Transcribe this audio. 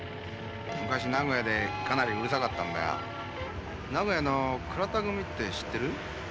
昔名古屋でかなりうるさかったんだよ名古屋の倉田組って知ってる？